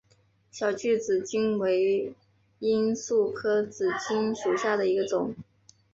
小距紫堇为罂粟科紫堇属下的一个种。